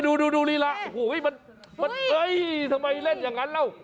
นี่ดูนี่ละโอ้โหเห้ยทำไมเล่นอย่างนั้นเล่า